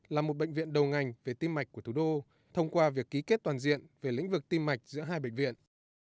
là một bệnh viện đầu ngành về tiêm mạch của thủ đô thông qua việc ký kết toàn diện về lĩnh vực tim mạch giữa hai bệnh viện